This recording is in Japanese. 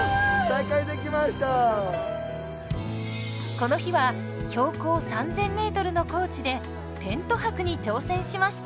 この日は標高３，０００ｍの高地でテント泊に挑戦しました。